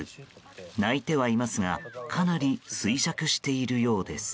鳴いてはいますがかなり衰弱しているようです。